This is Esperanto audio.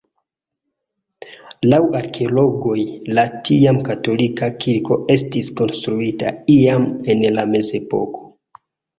Laŭ arkeologoj la tiam katolika kirko estis konstruita iam en la mezepoko.